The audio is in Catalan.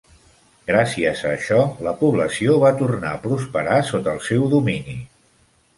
Gràcies a això, la població va tornar a prosperar sota el seu domini.